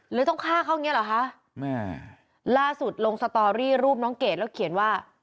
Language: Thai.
เลยต้องฆ่าเขาอย่างเงี้เหรอคะแม่ล่าสุดลงสตอรี่รูปน้องเกดแล้วเขียนว่า